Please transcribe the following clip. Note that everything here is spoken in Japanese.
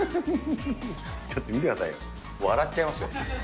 ちょっと見てくださいよ、笑っちゃいますよ。